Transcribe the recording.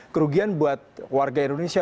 kerugian buat warga indonesia